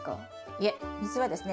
いえ水はですね